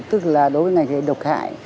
tức là đối với ngành nghề độc hại